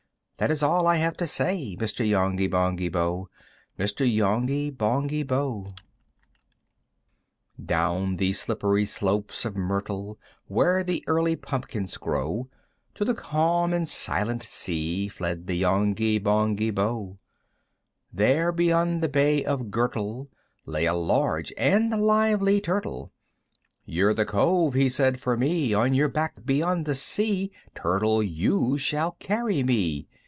"That is all I have to say "Mr. Yonghy Bonghy Bò, "Mr. Yonghy Bonghy Bò!" VIII. Down the slippery slopes of Myrtle, Where the early pumpkins grow, To the calm and silent sea Fled the Yonghy Bonghy Bò. There beyond the Bay of Gurtle, Lay a large and lively Turtle; "You're the Cove," he said, "for me; "On your back beyond the sea, "Turtle, you shall carry me!"